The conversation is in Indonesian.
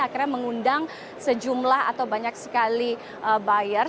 akhirnya mengundang sejumlah atau banyak sekali buyer